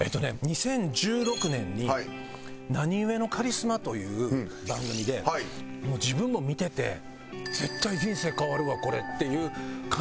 ２０１６年に『なにゆえのカリスマ！？』という番組で自分も見てて「絶対人生変わるわこれ」っていう感じがして。